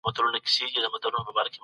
د خبر رسولو لپاره کوم کسان ګمارل سوي وو؟